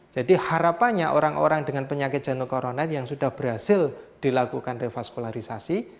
jadi harapannya orang orang dengan penyakit jantung koroner yang sudah berhasil dilakukan revaskularisasi